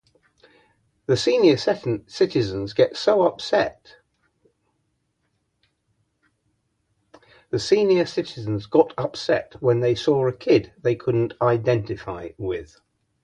The senior citizens got upset when they saw a kid they couldn't identify with.